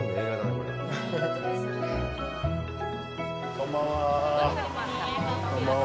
こんばんは。